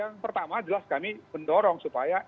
yang pertama jelas kami mendorong supaya